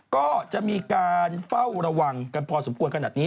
ก็จะมีการเฝ้าระวังกันพอสมควรขนาดนี้